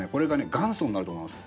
元祖になると思います。